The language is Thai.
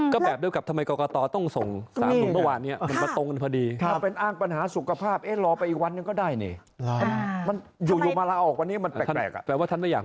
ก็แบบเรื่องกับทำไมกรกฎาต้องส่ง๓ทุนเมื่อวานนี้